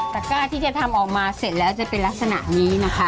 กล้าที่จะทำออกมาเสร็จแล้วจะเป็นลักษณะนี้นะคะ